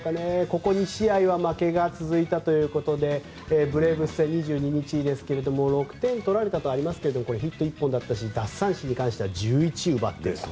ここ２試合は負けが続いたということでブレーブス戦２２日ですが６点取られたとありましたがヒット１本だったし奪三振に関しては１１奪っている。